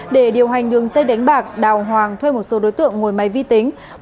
để điều hành đường dây đánh bạc đào hoàng thuê một số đối tượng ngồi máy vi tính